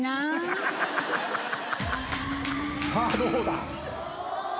さあどうだ？